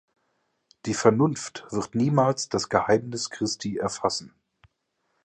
Die Vernunft wird niemals das Geheimnis Christi erfassen.